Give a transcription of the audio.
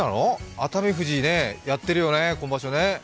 熱海富士やってるよね、今場所ね。